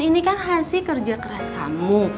ini kan hasil kerja keras kamu